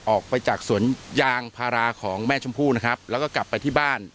ออกไปจากสวนยางพาราของแม่ชมพู่นะครับแล้วก็กลับไปที่บ้าน